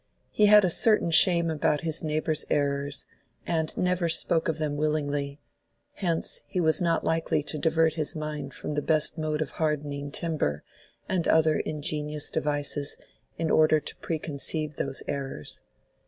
He had a certain shame about his neighbors' errors, and never spoke of them willingly; hence he was not likely to divert his mind from the best mode of hardening timber and other ingenious devices in order to preconceive those errors.